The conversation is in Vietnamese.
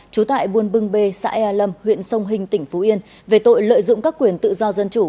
trú tại buôn bưng bê xã ea lâm huyện sông hình tỉnh phú yên về tội lợi dụng các quyền tự do dân chủ